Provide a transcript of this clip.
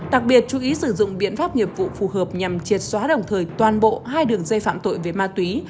đặc biệt chú ý sử dụng biện pháp nghiệp vụ phù hợp nhằm triệt xóa đồng thời toàn bộ hai đường dây phạm tội về ma túy